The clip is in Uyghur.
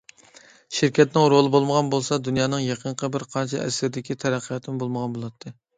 شىركەتنىڭ رولى بولمىغان بولسا دۇنيانىڭ يېقىنقى بىر قانچە ئەسىردىكى تەرەققىياتىمۇ بولمىغان بولاتتى.